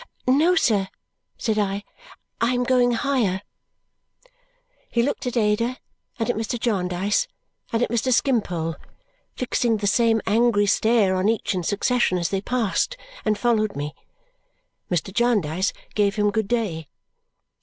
"No, sir," said I; "I am going higher up." He looked at Ada, and at Mr. Jarndyce, and at Mr. Skimpole, fixing the same angry stare on each in succession as they passed and followed me. Mr. Jarndyce gave him good day.